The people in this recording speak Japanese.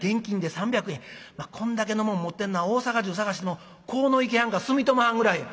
こんだけのもん持ってんのは大阪中探しても鴻池はんか住友はんぐらいや」。